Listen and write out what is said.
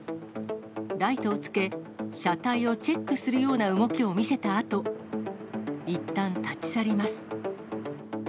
ライトをつけ、車体をチェックするような動きを見せたあと、いったん立ち去ります。